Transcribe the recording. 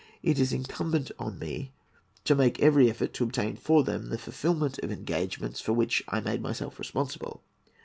It is incumbent on me to make every effort to obtain for them the fulfilment of engagements for which I made myself responsible.